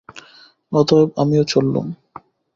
অতএব আমিও চললুম।